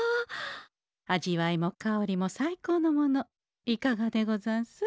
味わいも香りも最高のものいかがでござんす？